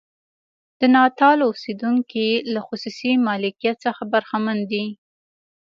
د ناتال اوسېدونکي له خصوصي مالکیت څخه برخمن دي.